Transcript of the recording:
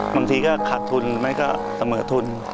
บางทีก็ขาดทุนมันก็เสมอทุน